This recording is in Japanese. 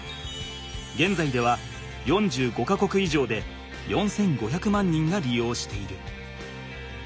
げんざいでは４５か国以上で４，５００万人が利用している。